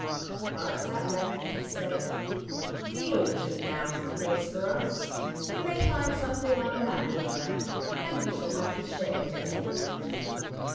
— But at length He said :" The orchard now 's the place for us ; We may find something like an apple there. And we shall have the shade, at any rate."